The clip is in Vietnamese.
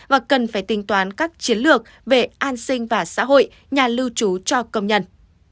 và cần phải tính toán các chiến lược về an sinh và xã hội nhà lưu trú cho công nhân